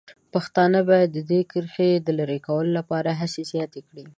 پښتانه باید د دې کرښې د لرې کولو لپاره هڅې زیاتې کړي.